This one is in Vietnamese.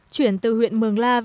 chuyển từ huyện mừng